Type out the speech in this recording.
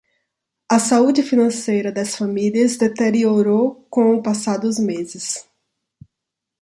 A saúde financeira das famílias deteriorou com o passar dos meses